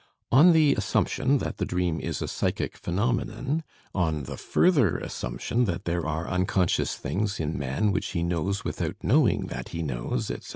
On the assumption that the dream is a psychic phenomenon, on the further assumption that there are unconscious things in man which he knows without knowing that he knows, etc.